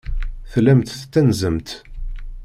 Tellamt tettanzemt.